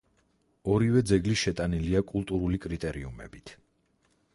ორივე ძეგლი შეტანილია კულტურული კრიტერიუმებით.